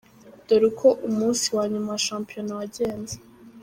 Dore uko umunsi wa nyuma wa shampiyona wagenze:.